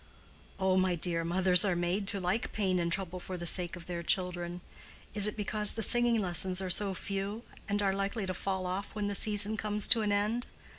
"Oh, my dear, mothers are made to like pain and trouble for the sake of their children. Is it because the singing lessons are so few, and are likely to fall off when the season comes to an end?